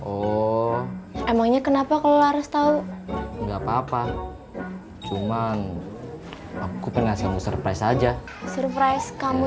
oh emangnya kenapa kalau harus tahu enggak papa cuma aku pengen ngasih kamu surprise aja surprise kamu